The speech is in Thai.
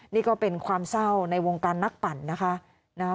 นี่ก็เป็นความเศร้าในวงการนักปั่นนะคะ